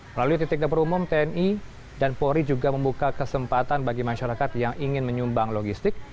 melalui titik dapur umum tni dan polri juga membuka kesempatan bagi masyarakat yang ingin menyumbang logistik